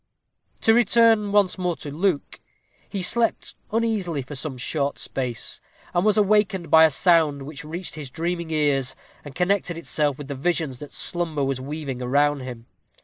To return once more to Luke. He slept uneasily for some short space, and was awakened by a sound which reached his dreaming ears and connected itself with the visions that slumber was weaving around him.